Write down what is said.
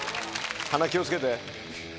鼻気を付けて。